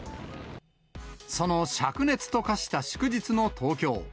そのしゃく熱と化した祝日の東京。